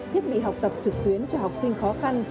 thiết bị học tập trực tuyến cho học sinh khó khăn